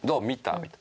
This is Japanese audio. みたいな。